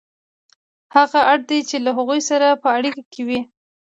هغه اړ دی چې له هغوی سره په اړیکه کې وي